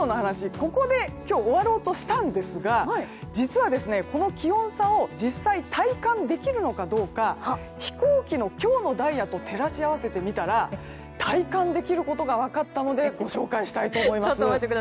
ここで終わろうとしたんですが実は、気温差を実際に体感できるのかどうか飛行機の今日のダイヤと照らし合わせてみたら体感できることが分かったのでご紹介したいと思います。